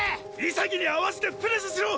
潔に合わせてプレスしろ！